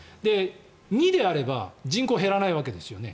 ２であれば人口は減らないわけですよね。